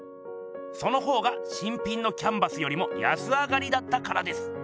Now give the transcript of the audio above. その方が新品のキャンバスよりも安上がりだったからです。